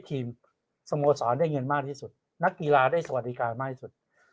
สโมสรได้เงินมากที่สุดนักกีฬาได้สวัสดิการมากที่สุด